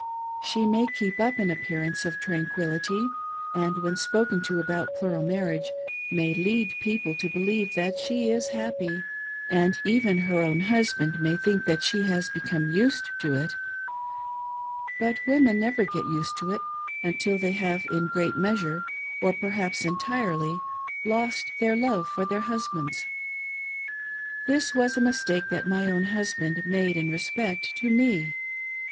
She may keep up an appearance of tranquility, and when spoken to about plural marriage may lead people to believe that she is happy, and even her own husband may think that she has become " used to it ;" but women never " get used to it " until they have in a great measure, or perhaps entirely, lost their love for their husbands. This was a mistake that my own husband made, in respect to me.